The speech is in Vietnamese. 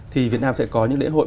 thì việt nam sẽ có những lễ hội